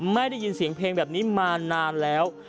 ไม่ได้ยินเสียงเพลงแบบนี้มานานแล้ว